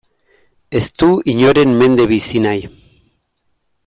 Ez du inoren mende bizi nahi.